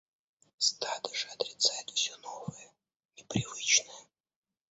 Стадо же отрицает все новое, непривычное.